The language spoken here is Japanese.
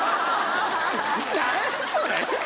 何やそれ。